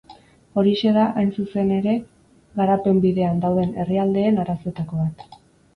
Horixe da, hain zuzen ere, garapen bidean dauden herrialdeen arazoetako bat.